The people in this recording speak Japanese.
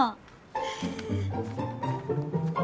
へえ。